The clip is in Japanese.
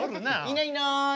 いないいない。